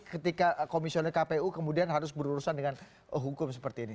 ketika komisioner kpu kemudian harus berurusan dengan hukum seperti ini